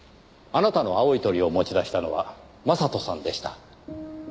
あなたの青い鳥を持ち出したのは将人さんでした。